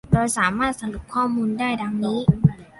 โดยสามารถสรุปข้อมูลได้ ดังนี้